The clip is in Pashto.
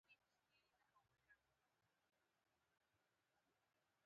مونږ مياشت کې يو ځل په خپل موټر کې چکر ته ځو